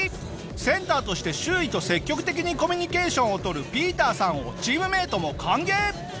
センターとして周囲と積極的にコミュニケーションをとるＰＩＥＴＥＲさんをチームメートも歓迎！